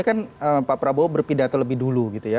sebelumnya pak prabowo berbitato lebih dulu